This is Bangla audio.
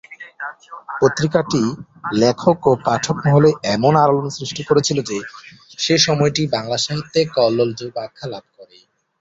পত্রিকা টি লেখক ও পাঠক মহলে এমন আলোড়ন সৃষ্টি করেছিল যে সে সময়টি বাংলা সাহিত্যে 'কল্লোল যুগ' আখ্যা লাভ করে।